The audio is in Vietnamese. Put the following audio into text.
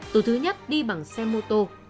tổ thứ nhất đi bằng xe mô tô